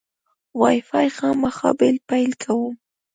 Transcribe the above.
وای فای خامخا بیا پیل کوم.